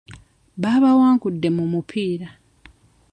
Baabawangudde mu mupiira.